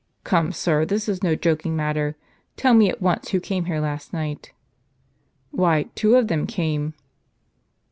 " Come, sir, this is no joking matter. Tell me, at once, who came here last night." "Why, two of them came."